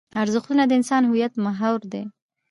ارزښتونه د انسان د هویت محور دي.